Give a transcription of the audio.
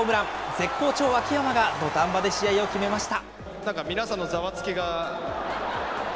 絶好調、秋山が土壇場で試合を決めました。